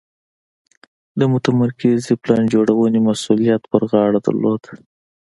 د متمرکزې پلان جوړونې مسوولیت پر غاړه درلود.